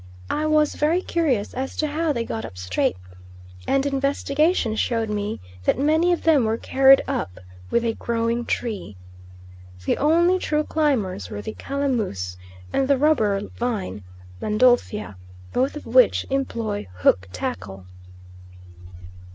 I was very curious as to how they got up straight, and investigation showed me that many of them were carried up with a growing tree. The only true climbers were the calamus and the rubber vine (Landolphia), both of which employ hook tackle.